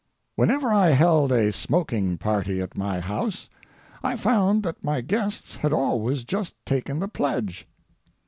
Whenever I held a smoking party at my house, I found that my guests had always just taken the pledge.